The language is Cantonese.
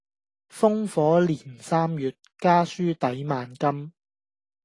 烽火連三月，家書抵萬金